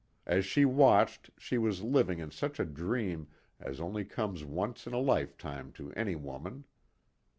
As she watched she was living in such a dream as only comes once in a lifetime to any woman.